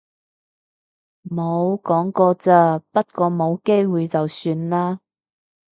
冇，講過啫。不過冇機會就算喇